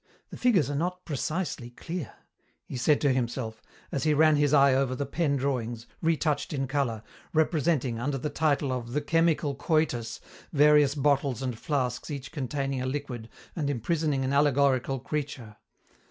The figures are not precisely clear," he said to himself, as he ran his eye over the pen drawings, retouched in colour, representing, under the title of "The chemical coitus" various bottles and flasks each containing a liquid and imprisoning an allegorical creature.